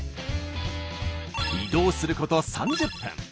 移動すること３０分。